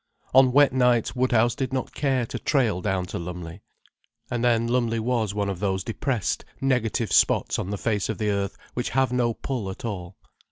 On wet nights Woodhouse did not care to trail down to Lumley. And then Lumley was one of those depressed, negative spots on the face of the earth which have no pull at all.